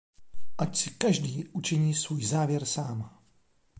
Ať si každý učiní svůj závěr sám.